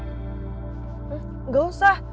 hah gak usah